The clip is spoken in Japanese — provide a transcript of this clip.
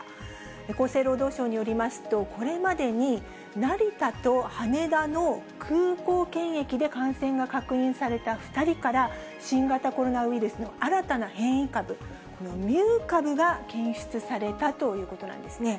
厚生労働省によりますと、これまでに成田と羽田の空港検疫で感染が確認された２人から、新型コロナウイルスの新たな変異株、このミュー株が検出されたということなんですね。